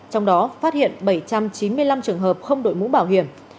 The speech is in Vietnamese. trong đó phát hiện bảy trăm chín mươi năm trường hợp không đội mũ bảo hiểm